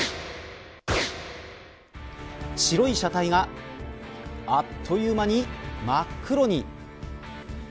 白い車体があっという間に真っ黒に。